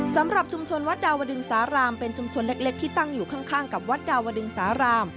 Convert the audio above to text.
สำหรับชุมชนวัดดาวดึงสารามเป็นชุมชนเล็กที่ตั้งอยู่ข้างกับวัดดาวดึงสาราม